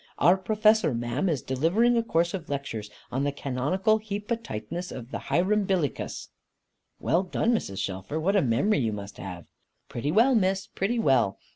Our Professor, ma'am, is delivering a course of lectures on the Canonical Heapatightness of the Hirumbillycuss." "Well done, Mrs. Shelfer! What a memory you must have!" "Pretty well, Miss, pretty well.